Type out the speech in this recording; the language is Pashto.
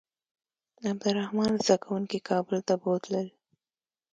عبدالرحمن زده کوونکي کابل ته بوتلل.